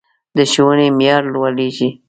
د ښوونې معیار لوړیږي